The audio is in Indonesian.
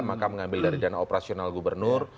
maka mengambil dari dana operasional gubernur